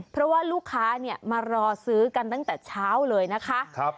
เพราะว่าลูกค้ามารอซื้อกันตั้งแต่เช้าเลยนะคะ